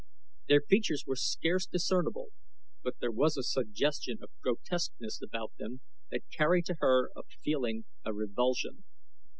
Their features were scarce discernible, but there was a suggestion of grotesqueness about them that carried to her a feeling of revulsion.